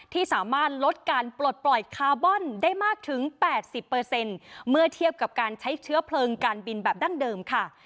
ที่สามารถลดการปลดปล่อยคาร์บอนได้มากถึง๘๐เมื่อเทียบกับการใช้เชื้อเพลิงการบินแบบดั้งเดิมค่ะ